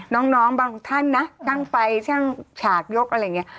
น้องบางท่านนะช่างไฟช่างฉากยกอะไรอย่างนี้